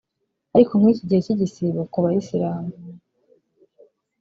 ariko nk’iki gihe cy’igisibo ku bayisilamu